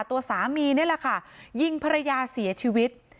ตัวสามีนี่แหละค่ะยิงภรรยาเสียชีวิต